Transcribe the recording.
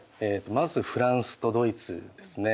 まずフランスとドイツですね。